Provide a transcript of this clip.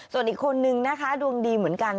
ส่วนอีกคนนึงนะคะดวงดีเหมือนกัน